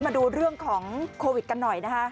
มาดูเรื่องของโควิดกันหน่อยนะคะ